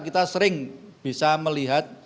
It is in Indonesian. kita sering bisa melihat